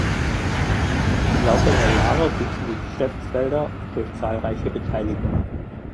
Im Laufe der Jahre wuchsen die Geschäftsfelder durch zahlreiche Beteiligungen.